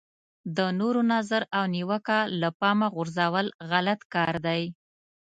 د نورو نظر او نیوکه له پامه غورځول غلط کار دی.